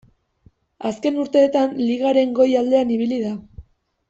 Azken urteetan Ligaren goi aldean ibili da.